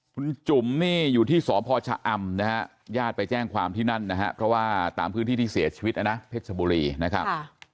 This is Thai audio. คุณจุ๋มนี่อยู่ที่สพชะอำนะฮะญาติไปแจ้งความที่นั่นนะฮะเพราะว่าตามพื้นที่ที่เสียชีวิตนะนะเพชรชบุรีนะครับ